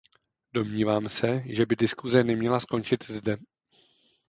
Domnívám se, že by diskuse neměla skončit zde.